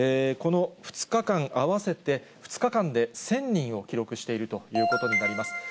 この２日間合わせて、２日間で１０００人を記録しているということになります。